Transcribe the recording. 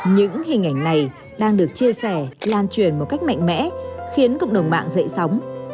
những hình ảnh này đang được chia sẻ lan truyền một cách mạnh mẽ khiến cộng đồng mạng dậy sóng